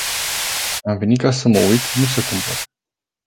Am venit ca să mă uit, nu să cumpăr.